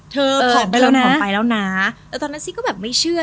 เธอผอมไปแล้วนะนะแล้วตอนนั้นซีก็ไม่เชื่อ